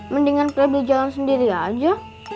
mendingan pebi jalan sendiri saja